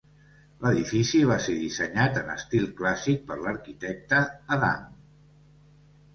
L'edifici va ser dissenyat en estil clàssic per l'arquitecte Adam.